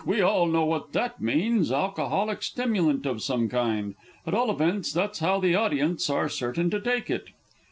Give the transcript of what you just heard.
We all know what that means alcoholic stimulant of some kind. At all events that's how the audience are certain to take it.